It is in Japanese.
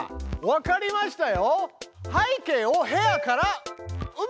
分かりました！